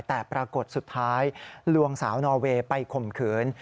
แต่ปรากฏสุดท้ายลวงสาวนอเวย์ไปข่มขืน